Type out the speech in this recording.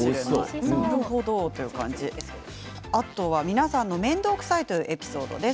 皆さんの面倒くさいというエピソードです。